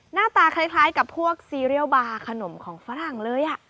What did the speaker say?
หน้าตาคล้ายกับพวกซีเรียลบาร์ขนมของฝรั่งเลย